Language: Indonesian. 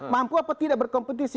mampu apa tidak berkompetisi